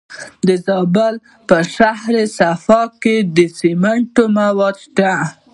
د زابل په شهر صفا کې د سمنټو مواد شته.